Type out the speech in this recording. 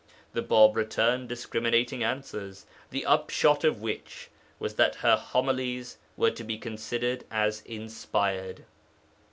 The Bāb returned discriminating answers, the upshot of which was that her homilies were to be considered as inspired.